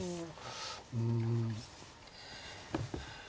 うん。